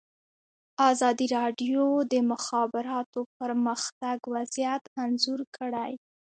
ازادي راډیو د د مخابراتو پرمختګ وضعیت انځور کړی.